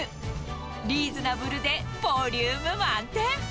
リーズナブルでボリューム満点。